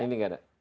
ini gak ada